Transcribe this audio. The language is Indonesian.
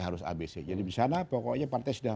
harus abc jadi disana pokoknya partai sudah